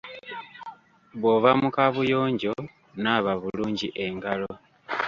Bw'ova mu kaabuyonjo naaba bulungi engalo .